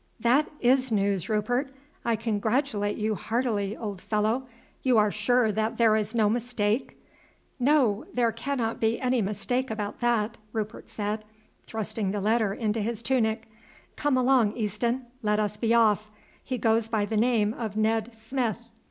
"That is news, Rupert. I congratulate you heartily, old fellow. You are sure that there is no mistake?" "No; there cannot be any mistake about that," Rupert said, thrusting the letter into his tunic. "Come along, Easton, let us be off. He goes by the name of Ned Smith."